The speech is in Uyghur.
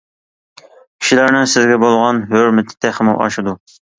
كىشىلەرنىڭ سىزگە بولغان ھۆرمىتى تېخىمۇ ئاشىدۇ.